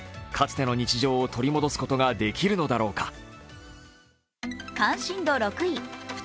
かつての日常を取り戻すことができるのだろうか。